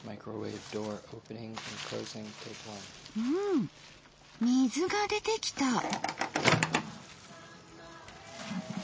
うん水が出てきた。